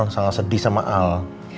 sangat sedih sama al